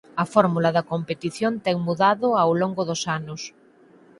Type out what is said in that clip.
A fórmula da competición ten mudado ao longo dos anos.